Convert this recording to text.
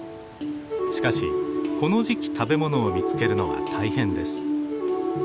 しかしこの時期食べ物を見つけるのは大変です。